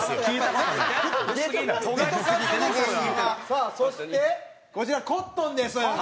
さあそしてこちらコットンです。